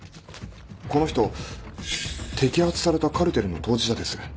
この人摘発されたカルテルの当事者です。